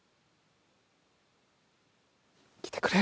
来てくれ！